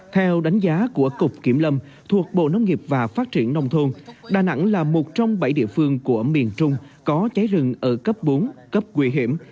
theo đánh giá của cục kiểm lâm thuộc bộ nông nghiệp và phát triển nông thôn đà nẵng là một trong bảy địa phương của miền trung có cháy rừng ở cấp bốn cấp nguy hiểm